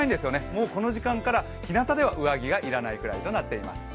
もうこの時間からひなたでは上着が要らないぐらいとなっています。